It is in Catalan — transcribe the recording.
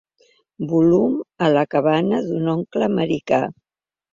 Volum a la cabana d'un oncle americà.